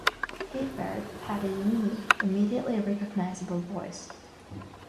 Hibberd had a unique, immediately recognisable, voice.